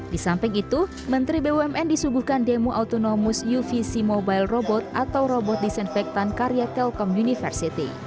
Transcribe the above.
di samping itu menteri bumn disuguhkan demo autonomus uvc mobile robot atau robot disinfektan karya telkom university